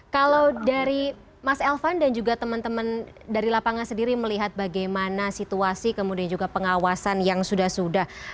kalau dari mas elvan dan juga teman teman dari lapangan sendiri melihat bagaimana situasi kemudian juga pengawasan yang sudah sudah